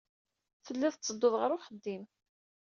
Tellid tetteddud ɣer uxeddim.